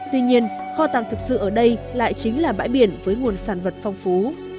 tuy nhiên kho tàng thực sự ở đây lại chính là bãi biển với nguồn sản vật phong phú